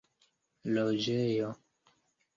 loĝejo